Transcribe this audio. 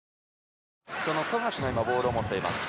その富樫が今ボールを持っています。